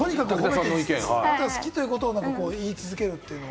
好きということを言い続けるということは。